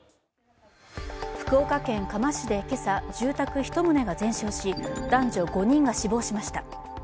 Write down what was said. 福岡県嘉麻市で今朝、住宅１棟が全焼し、男女５人が死亡しました。